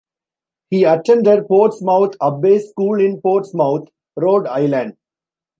He attended Portsmouth Abbey School in Portsmouth, Rhode Island.